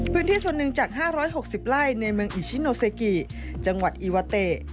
พื้นที่ส่วนหนึ่งจาก๕๖๐ไร่ในเมืองอิชิโนเซกิจังหวัดอีวาเตะ